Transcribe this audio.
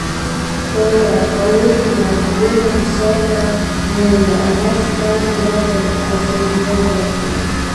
Толя, Калугина о тебе невысокого мнения, она считает тебя посредственностью.